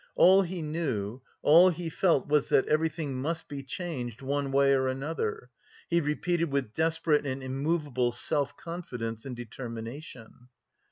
All he knew, all he felt was that everything must be changed "one way or another," he repeated with desperate and immovable self confidence and determination.